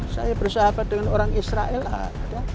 saya bersahabat dengan orang israel lah